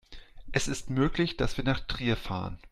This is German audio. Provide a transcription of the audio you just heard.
Es ist möglich, dass wir nach Trier fahren